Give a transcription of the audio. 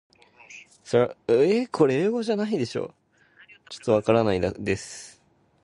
Sarajevo, despite going through a four-year-long siege of hell, kept its soul intact.